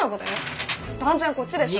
断然こっちでしょ！